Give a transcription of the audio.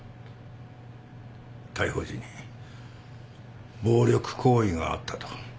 逮捕時に暴力行為があったと。